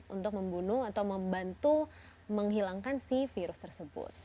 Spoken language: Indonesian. untuk membunuh atau membantu menghilangkan si virus tersebut